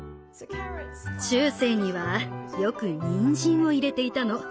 中世にはよくにんじんを入れていたの。